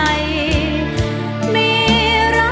หัวใจเหมือนไฟร้อน